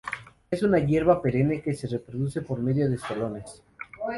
Es una hierba perenne que se reproduce por medio de estolones.